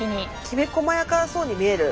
きめこまやかそうに見える。